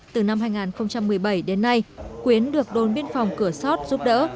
từ năm hai nghìn một mươi bảy đến nay quyến được đồn biên phòng cửa sót giúp đỡ